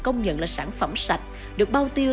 công nhận là sản phẩm sạch được bao tiêu